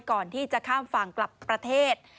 ก่อนที่จะข้ามฝั่งกลับประเทศ